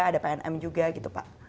ada pnm juga gitu pak